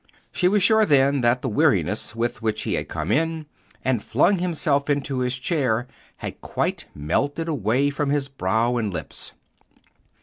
She was sure then that the weariness with which he had come in and flung himself into his chair had quite melted away from his brow and lips.